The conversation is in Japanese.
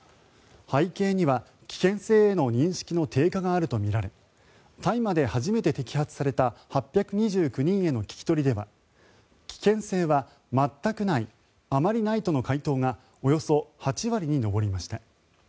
背景には危険性への認識の低下があるとみられ大麻で初めて摘発された８２９人への聞き取りでは危険性は全くないあまりないとの回答がおよそ８割に上りました。